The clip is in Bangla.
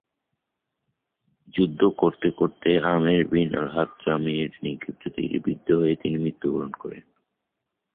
যুদ্ধ করতে করতে "আমের বিন আল-হাদরামী"র নিক্ষিপ্ত তীরে বিদ্ধ হয়ে তিনি মৃত্যু বরণ করেন।